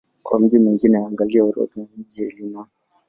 Kwa miji mingine angalia Orodha ya miji ya Illinois.